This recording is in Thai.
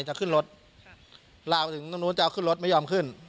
จะขึ้นรถลาวไปถึงตรงนู้นจะเอาขึ้นรถไม่ยอมขึ้น